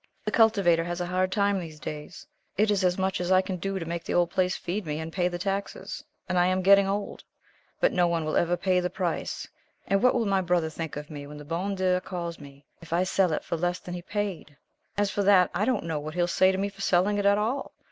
The cultivator has a hard time these days. It is as much as I can do to make the old place feed me and pay the taxes, and I am getting old. But no one will ever pay the price, and what will my brother think of me when the bon Dieu calls me, if I sell it for less than he paid? As for that, I don't know what he'll say to me for selling it at all.